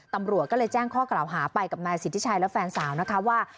ตำรวจก็เลยแจ้งข้อกล่าวหาไปกับนายสิทธิชัยและแฟนสาวนะคะว่า